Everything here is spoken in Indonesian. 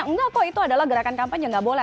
enggak kok itu adalah gerakan kampanye gak boleh